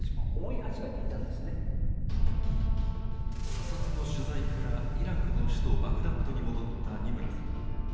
査察の取材からイラクの首都バグダッドに戻った二村さん。